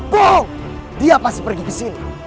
boh dia pasti pergi kesini